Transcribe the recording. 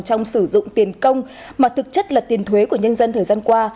trong sử dụng tiền công mà thực chất là tiền thuế của nhân dân thời gian qua